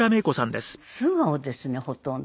素顔ですねほとんど。